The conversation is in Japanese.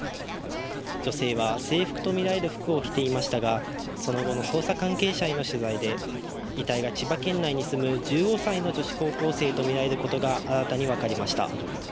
女性は制服とみられる服を着ていましたがその後の捜査関係者への取材で遺体が千葉県内にすむ１５歳の高校生であることが新たに分かりました。